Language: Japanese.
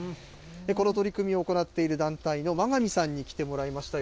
この取り組みを行っている団体の馬上さんに来てもらいました。